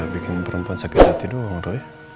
bikin perempuan sakit hati doang roy